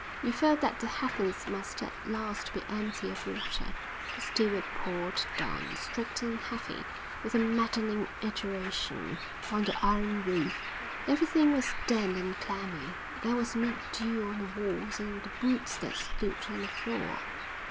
You felt that the heavens must at last be empty of water, but still it poured down, straight and heavy, with a maddening iteration, on the iron roof. Everything was damp and clammy. There was mildew on the walls and on the boots that stood on the floor.